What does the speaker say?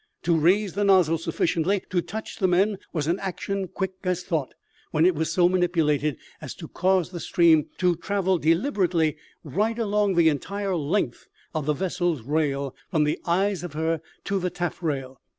To raise the nozzle sufficiently to touch the men was an action quick as thought, when it was so manipulated as to cause the stream to travel deliberately right along the entire length of the vessel's rail, from the eyes of her to the taffrail.